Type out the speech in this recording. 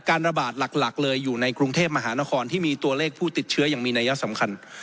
ระบาดหลักเลยอยู่ในกรุงเทพมหานครที่มีตัวเลขผู้ติดเชื้อยังมีนัยสำคัญ